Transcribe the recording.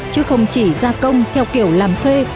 chứ không chỉ gia công theo kiểu làm thuê